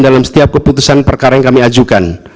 dalam setiap keputusan perkara yang kami ajukan